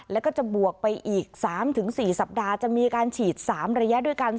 แล้วก็จะบวกไปอีก๓๔สัปดาห์จะมีการฉีด๓ระยะด้วยกัน